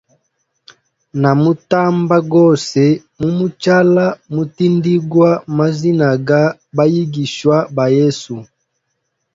Na mutamba gose mumuchala mutindigwa mazinaga bayigishwa ba yesu.